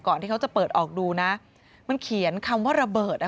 ที่เขาจะเปิดออกดูนะมันเขียนคำว่าระเบิดอ่ะ